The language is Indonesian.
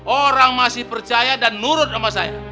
orang masih percaya dan nurut sama saya